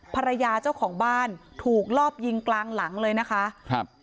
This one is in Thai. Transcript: เจ้าของบ้านถูกลอบยิงกลางหลังเลยนะคะครับ